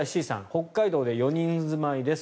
北海道で４人住まいです。